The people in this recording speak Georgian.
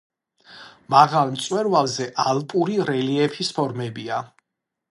მაღალ მწვერვალებზე ალპური რელიეფის ფორმებია.